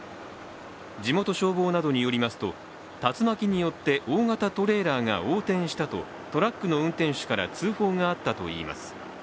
地元消防などによりますと竜巻によって大型トレーラーが横転したとトラックの運転手から通報があったといいます。